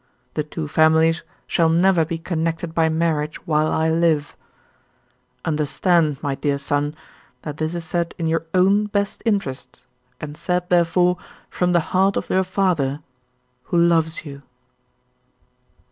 The two families shall never be connected by marriage while I live. Understand, my dear son, that this is said in your own best interests, and said, therefore, from the heart of your father who loves you."